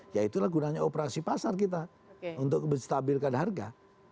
ya itulah gunanya operasi pasar kita untuk menstabilkan harga